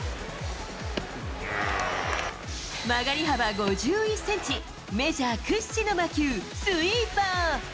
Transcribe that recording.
曲がり幅５１センチ、メジャー屈指の魔球、スイーパー。